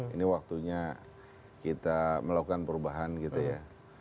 ini waktunya kita melakukan perubahan gitu ya